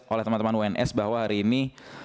oleh teman teman uns bahwa hari ini